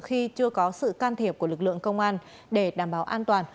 khi chưa có sự can thiệp của lực lượng công an để đảm bảo an toàn